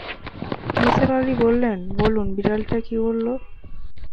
নিসার আলি বললেন, বলুন, বিড়ালটা কী বলল।